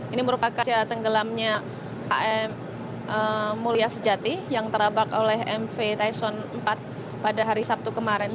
ini merupakan tenggelamnya km mulia sejati yang terabak oleh mv tyson empat pada hari sabtu kemarin